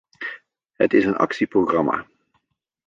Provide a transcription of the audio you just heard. Het is een actieprogramma.